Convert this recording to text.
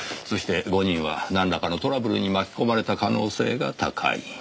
そして５人はなんらかのトラブルに巻き込まれた可能性が高い。